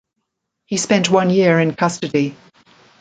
He spent one year in custody.